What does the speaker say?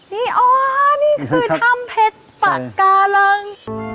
นี่อ๋อนี่คือถ้ำเพชรปากกาลัง